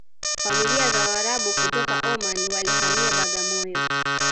familia za waarabu kutoka Oman walihamia Bagamoyo